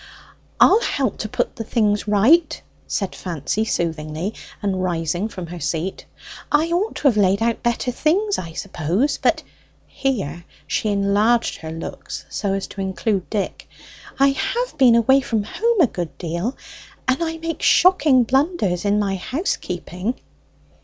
"I'll help to put the things right," said Fancy soothingly, and rising from her seat. "I ought to have laid out better things, I suppose. But" (here she enlarged her looks so as to include Dick) "I have been away from home a good deal, and I make shocking blunders in my housekeeping."